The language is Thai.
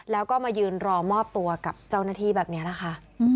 แล้วก็มายืนรอมอบตัวกับเจ้าหน้าที่แบบนี้แหละค่ะ